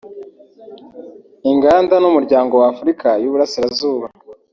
Inganda n’Umuryango wa Afurika y’u Burasirazuba